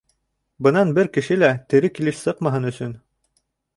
Бынан бер кеше лә тере килеш сыҡмаһын өсөн...